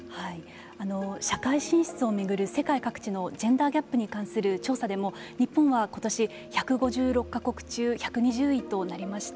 社会進出を巡る世界各地のジェンダーギャップに関する調査でも日本はことし１５６か国中１２０位となりました。